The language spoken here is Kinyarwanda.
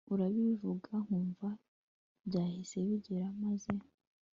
urabivuga nkumva byahise bigera maze